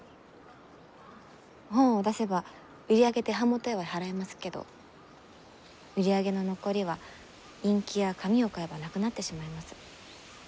本を出せば売り上げで版元へは払えますけど売り上げの残りはインキや紙を買えばなくなってしまいます。